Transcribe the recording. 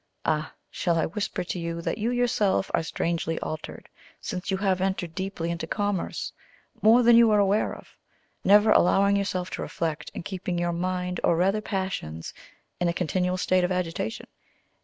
Ah! shall I whisper to you, that you yourself are strangely altered since you have entered deeply into commerce more than you are aware of; never allowing yourself to reflect, and keeping your mind, or rather passions, in a continual state of agitation?